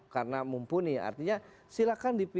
karena mumpuni artinya silakan dipilih